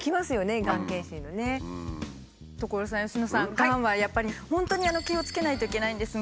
がんはやっぱり本当に気をつけないといけないんですが。